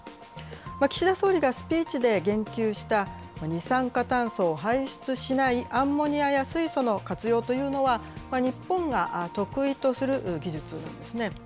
岸田総理がスピーチで言及した、二酸化炭素を排出しないアンモニアや水素の活用というのは、日本が得意とする技術なんですね。